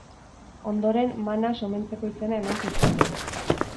Ondoren Manas omentzeko izena eman zitzaion.